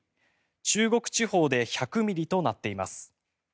中国地方で１００ミリとなっています。